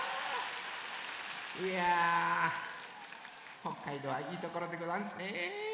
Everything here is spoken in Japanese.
いや北海道はいいところでござんすねえ。